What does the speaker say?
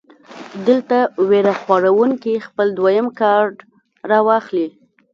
دلته وېره خوروونکے خپل دويم کارډ راواخلي -